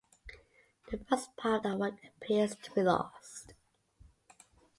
The first part of that work appears to be lost.